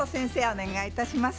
お願いいたします。